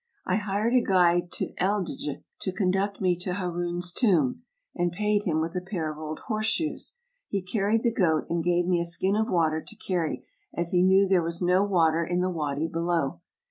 I hired a guide to Eldjy to conduct me to Haroun's tomb, and paid him with a pair of old horseshoes. He carried the goat, and gave me a skin of water to carry, as he knew there was no water in the wady below.